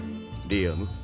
リアム。